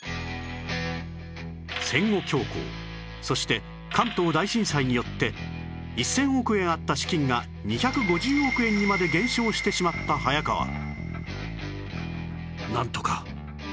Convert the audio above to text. そして関東大震災によって１０００億円あった資金が２５０億円にまで減少してしまった早川